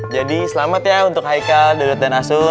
jadi selamat ya untuk haikal dodot dan asun